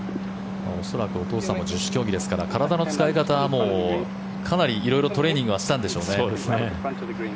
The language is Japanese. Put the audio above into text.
恐らくお父さんも十種競技の選手ですから体の使い方はトレーニングしたんでしょうね。